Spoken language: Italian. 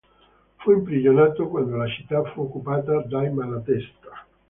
Fu imprigionato quando la città fu occupata dai Malatesta.